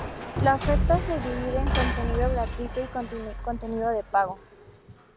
La oferta se divide en contenido gratuito y contenido de pago.